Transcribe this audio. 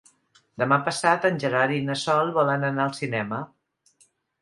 Demà passat en Gerard i na Sol volen anar al cinema.